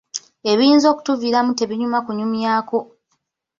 Ebiyinza okutuviiramu tebinyuma kunyumyako!